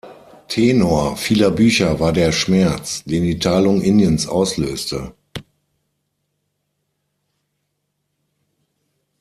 Tenor vieler Bücher war der Schmerz, den die Teilung Indiens auslöste.